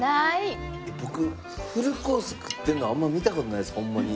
僕フルコース食ってるのあんま見た事ないですホンマに。